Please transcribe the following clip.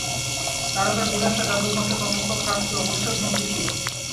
দ্বারকার বিনাশ আর যাদব বংশের কর্মফল প্রাপ্তি অবশ্যম্ভাবী ছিল।